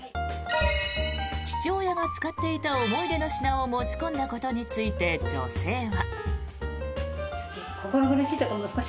父親が使っていた思い出の品を持ち込んだことについて女性は。